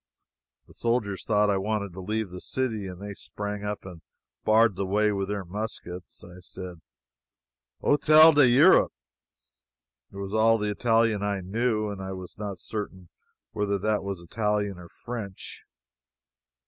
The soldiers thought I wanted to leave the city, and they sprang up and barred the way with their muskets. I said: "Hotel d'Europe!" It was all the Italian I knew, and I was not certain whether that was Italian or French.